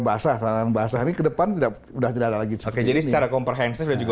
basah tanah tangan basah ini ke depan tidak udah tidak lagi jadi secara komprehensif juga